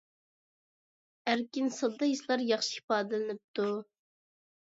ئەركىن، ساددا ھېسلار ياخشى ئىپادىلىنىپتۇ!